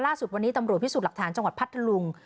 ล่าสุดวันนี้ตำรวจพิสูจน์หลักฐานจังหวัดพัทธลุง